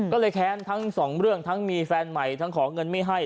ก็เลยแค้นทั้งสองเรื่องทั้งมีแฟนใหม่ทั้งขอเงินไม่ให้